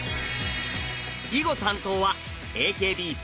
囲碁担当はＡＫＢ４８。